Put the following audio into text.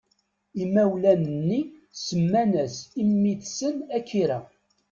Imawlan-nni semma-as i mmi-tsen Akira.